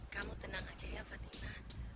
kamu tenang aja ya fatimah